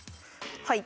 はい。